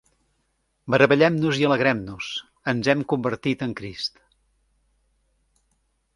Meravellem-nos i alegrem-nos: ens hem convertit en Crist.